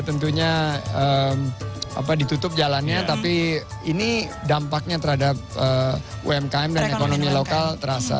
tentunya ditutup jalannya tapi ini dampaknya terhadap umkm dan ekonomi lokal terasa